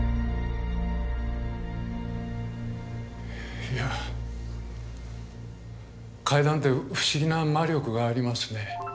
いや階段って不思議な魔力がありますね。